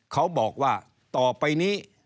เขาบอกว่าต่อไปนี้